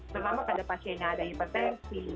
terutama pada pasien yang ada hipertensi